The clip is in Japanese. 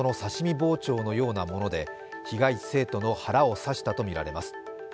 包丁のようなもので被害生徒の腹を刺したとみられます。